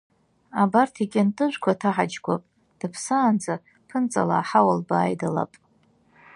Абарҭ икьантыжәқәа ҭаҳаџьгәап, дыԥсаанӡа ԥынҵала аҳауа лбааидалап.